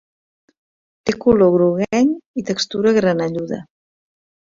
Té color groguenc i textura granelluda.